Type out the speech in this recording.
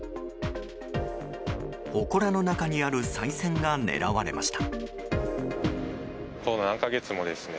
ほこらの中にある、さい銭が狙われました。